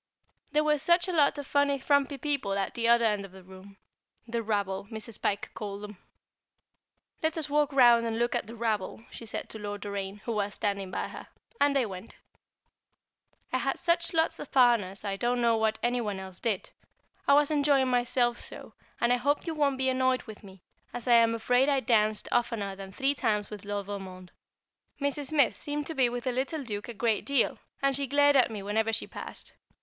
There were such a lot of funny frumpy people at the other end of the room "the rabble," Mrs. Pike called them. "Let us walk round and look at the rabble," she said to Lord Doraine, who was standing by her. And they went. [Sidenote: The Ride Home] I had such lots of partners I don't know what any one else did; I was enjoying myself so, and I hope you won't be annoyed with me, as I am afraid I danced oftener than three times with Lord Valmond. Mrs. Smith seemed to be with the little Duke a great deal, and she glared at me whenever she passed.